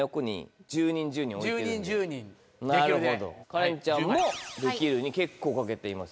カレンちゃんも「できる」に結構賭けていますね。